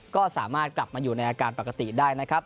ก็สามารถกลับมาอยู่ในอาการปกติได้นะครับ